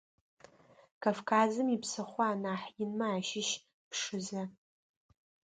Кавказым ипсыхъо анахь инмэ ащыщ Пшызэ.